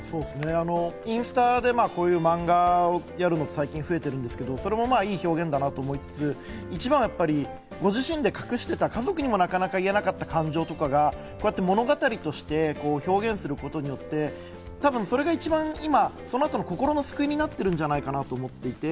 インスタでこういう漫画をやるのが最近増えてるんですけど、それもいい表現だなと思いつつ、一番はやっぱり、ご自身で隠していた家族にも言えなかった感情とかを物語として表現することによって、それが一番今、その人の心の救いになってるんじゃないかと思って。